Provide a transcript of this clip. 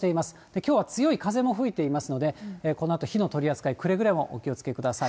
きょうは強い風も吹いていますので、このあと、火の取り扱い、くれぐれもお気をつけください。